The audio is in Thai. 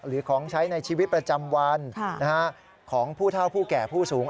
หรือของใช้ในชีวิตประจำวันของผู้เท่าผู้แก่ผู้สูง